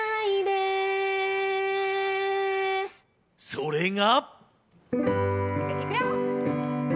それが。